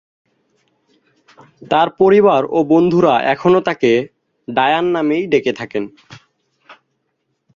তার পরিবার ও বন্ধুরা এখনও তাকে "ডায়ান" নামেই ডেকে থাকেন।